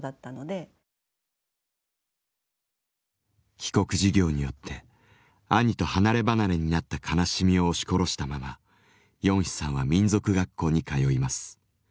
帰国事業によって兄と離れ離れになった悲しみを押し殺したままヨンヒさんは民族学校に通います。